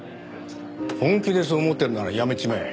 本気でそう思ってるなら辞めちまえ。